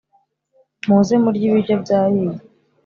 muze murye ibiryo byahiye